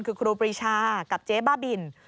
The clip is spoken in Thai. คือครูปรีชากับเจ๊บ้าบิน